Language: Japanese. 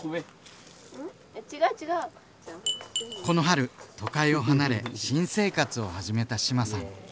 この春都会を離れ新生活を始めた志麻さん。